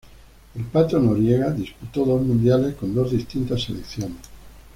El Pato Noriega disputó dos mundiales, con dos distintas selecciones.